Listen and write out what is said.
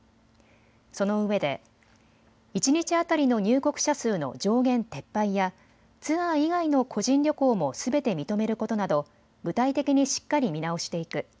そのうえで一日当たりの入国者数の上限撤廃やツアー以外の個人旅行もすべて認めることなど具体的にしっかり見直していく。